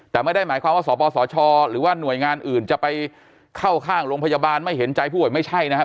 แต่ไม่ได้หมายความว่าสปสชหรือว่าหน่วยงานอื่นจะไปเข้าข้างโรงพยาบาลไม่เห็นใจผู้ป่วยไม่ใช่นะครับ